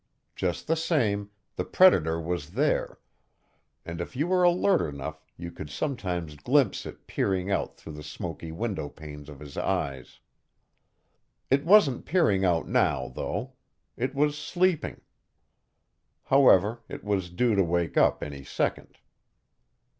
Just the same, the predator was there, and if you were alert enough you could sometimes glimpse it peering out through the smoky windowpanes of his eyes. It wasn't peering out now, though. It was sleeping. However, it was due to wake up any second.